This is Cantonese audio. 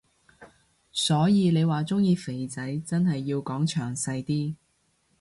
所以你話鍾意肥仔真係要講詳細啲